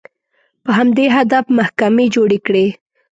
په همدې هدف محکمې جوړې کړې